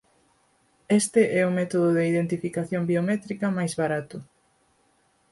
Este é método de identificación biométrica máis barato.